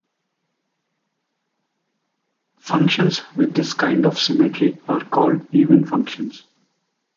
Functions with this kind of symmetry are called even functions.